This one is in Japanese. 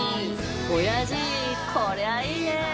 おやじこりゃいいね！